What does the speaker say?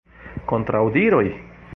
Kontraŭdiroj?